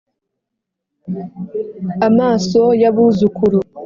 amaso y'abuzukuru,